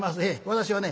私はね